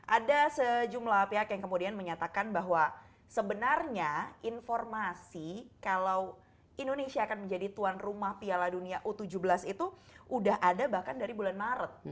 ada sejumlah pihak yang kemudian menyatakan bahwa sebenarnya informasi kalau indonesia akan menjadi tuan rumah piala dunia u tujuh belas itu sudah ada bahkan dari bulan maret